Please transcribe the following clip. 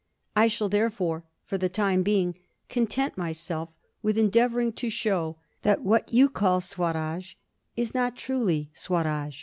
I shall, therefore, for the time being, content myself with endeavouring to show that what you call Swaraj is not truly Swaraj.